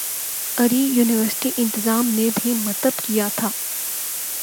اری یونیورسٹی انتظام نے بھی متب کیا تھا